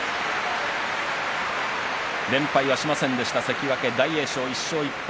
連敗はしませんでした関脇大栄翔、１勝１敗。